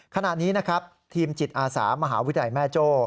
ขณะนี้นะครับทีมจิตอาสามหาวิทยาลัยแม่โจ้